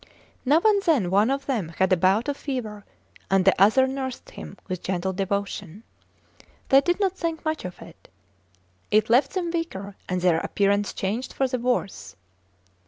Now and then one of them had a bout of fever, and the other nursed him with gentle devotion. They did not think much of it. It left them weaker, and their appearance changed for the worse.